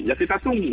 ya kita tunggu